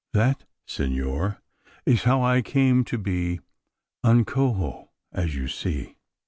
That, senor, is how I came to be `_un cojo_' as you see."